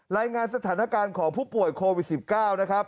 รายงานสถานการณ์ของผู้ป่วยโควิด๑๙นะครับ